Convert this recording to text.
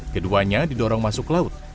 keduanya didorong masuk laut